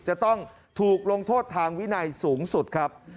จะต้องถูกลงโทษทางวินัยสูงสุดครับ